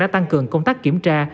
đã tăng cường công tác kiểm tra